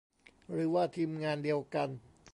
หรือว่าทีมงานเดียวกัน